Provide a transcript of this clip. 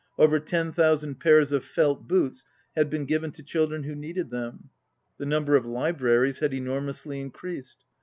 Over 10,000 pairs of felt boots had been given to children who needed them. The number of libraries had enormously increased.